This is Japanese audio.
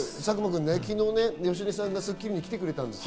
昨日ね、芳根さんが『スッキリ』に来てくれたんですよ。